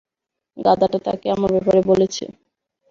গাধাটা তাকে আমার ব্যাপারে বলেছে।